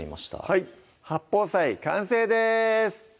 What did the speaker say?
はい「八宝菜」完成です